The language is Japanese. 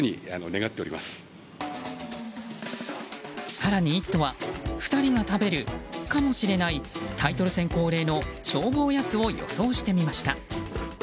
更に「イット！」は２人が食べるかもしれないタイトル戦恒例の勝負おやつを予想してみました。